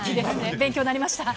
勉強になりました。